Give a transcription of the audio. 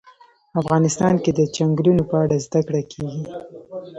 افغانستان کې د چنګلونه په اړه زده کړه کېږي.